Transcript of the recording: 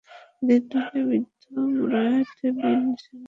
এদের দলে বৃদ্ধ দুরায়দ বিন ছম্মাহও ছিল।